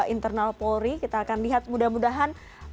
internal polri kita akan lihat mudah mudahan